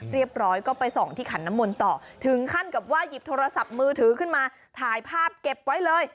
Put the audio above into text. เรียบร้อยก็ไปส่องที่ขันน้ำมนต์ต่อถึงขั้นกับว่าหยิบโทรศัพท์มือถือขึ้นมาถ่ายภาพเก็บไว้เลย